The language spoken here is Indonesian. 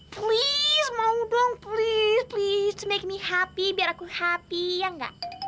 please mau dong please please to make me happy biar aku happy ya gak